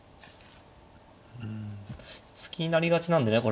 うん隙になりがちなんでね